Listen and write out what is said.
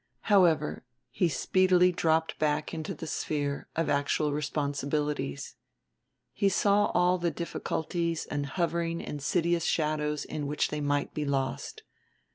However, he speedily dropped back into the sphere of actual responsibilities. He saw all the difficulties and hovering insidious shadows in which they might be lost.